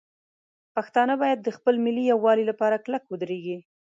پښتانه باید د خپل ملي یووالي لپاره کلک ودرېږي.